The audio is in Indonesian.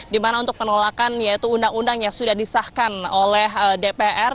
dimana untuk penolakan yaitu undang undang yang sudah disahkan oleh dpr